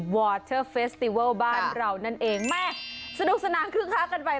โปรดติดตามต่อไป